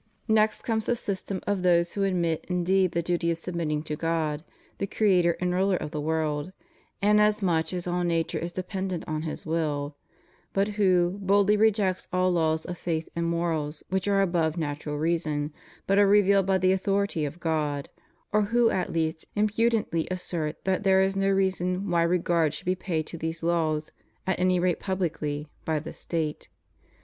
Next comes the system of those who admit indeed the duty of submitting to God, the Creator and Ruler of the world, inasmuch as all nature is dependent on His will, but who boldly reject all laws of faith and morals which are above natural reason, but are revealed by the authority of God; or who at least impudently assert that there is no reason why regard should be paid to these laws, at any rate publicly, by the State.